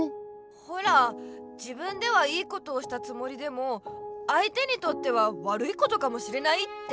ほら自分では良いことをしたつもりでも相手にとっては悪いことかもしれないって。